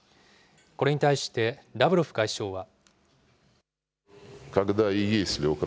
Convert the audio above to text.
これに対して、ラブロフ外相は。